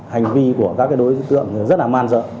hành vi của các đối tượng rất là man dợ